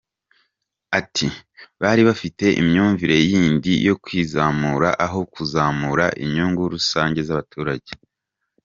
Ati “Bari bafite imyumvire yindi yo kwizamura aho kuzamura inyungu rusange z’abaturage.